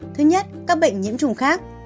thứ nhất các bệnh nhiễm trùng khác